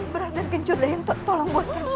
beras dan kencur dayang tolong buatkan